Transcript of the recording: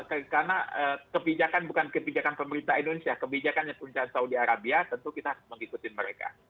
karena kebijakan bukan kebijakan pemerintah indonesia kebijakan yang punca saudi arabia tentu kita harus mengikuti mereka